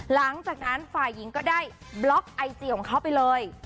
หลังจากนั้นฝ่ายหญิงก็ได้บล็อกไอจีของเขาไปเลย